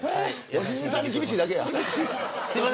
良純さんに厳しいだけや。